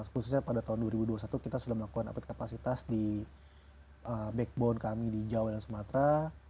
khususnya pada tahun dua ribu dua puluh satu kita sudah melakukan update kapasitas di backbone kami di jawa dan sumatera